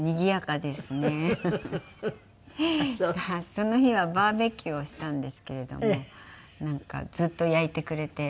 その日はバーベキューをしたんですけれどもなんかずっと焼いてくれていまして。